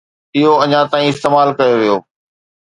اهو اڃا تائين استعمال ڪيو ويو